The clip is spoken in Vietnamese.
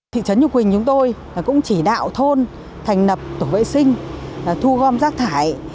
thị trấn nhục quỳnh chúng tôi cũng chỉ đạo thôn thành nập tổ vệ sinh thu gom rác thải